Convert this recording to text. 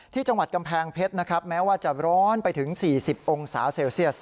ที่จังหวัดกำแพงเพชรนะครับแม้ว่าจะร้อนไปถึง๔๐องศาเซลเซียส